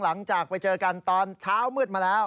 หลังจากไปเจอกันตอนเช้ามืดมาแล้ว